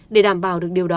để đảm bảo được điều đó